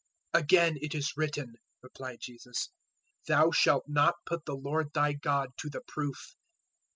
'" 004:007 "Again it is written," replied Jesus, "`Thou shalt not put the Lord thy God to the proof.'"